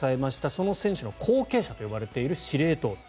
その選手の後継者と呼ばれている司令塔。